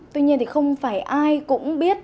tuy nhiên thì không phải ai cũng biết